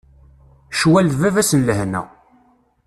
Ccwal d baba-s n lehna.